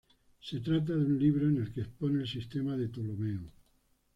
Se trata de un libro en el que expone el sistema de Ptolomeo.